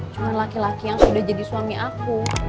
cuma laki laki yang sudah jadi suami aku